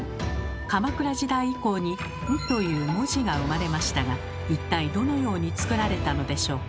鎌倉時代以降に「ん」という文字が生まれましたが一体どのように作られたのでしょうか。